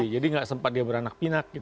jadi nggak sempat dia beranak pinak